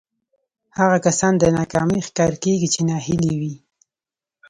هغه کسان د ناکامۍ ښکار کېږي چې ناهيلي وي.